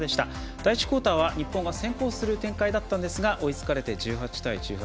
第１クオーターは日本が先行する展開だったんですが追いつかれて１８対１８。